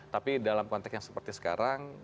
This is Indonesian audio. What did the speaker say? tapi dalam konteks yang seperti sekarang